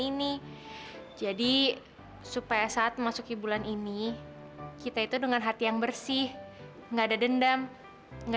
ini jadi supaya saat memasuki bulan ini kita itu dengan hati yang bersih enggak ada dendam nggak